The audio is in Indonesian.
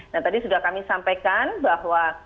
nah tadi sudah kami sampaikan bahwa